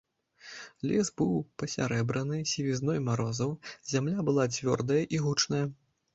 Лес быў пасярэбраны сівізной марозаў, зямля была цвёрдая і гучная.